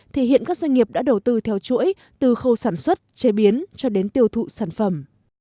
thì hiện các doanh nghiệp đã đầu tư theo chuỗi từ khâu sản xuất chế biến cho đến tiêu thụ sản phẩm